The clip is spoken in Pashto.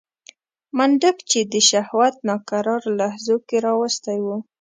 منډک چې د شهوت ناکرار لحظو کې راوستی و.